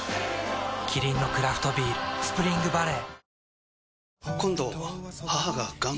キリンのクラフトビール「スプリングバレー」